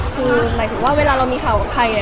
คือหมายถึงว่าเวลาเรามีข่าวกับใคร